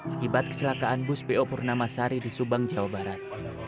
akibat kecelakaan bus po purnamasari di subang jawa barat